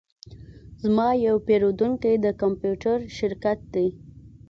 زما یو پیرودونکی د کمپیوټر شرکت دی